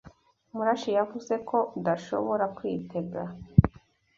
Murashi yavuze ko udashobora kwitega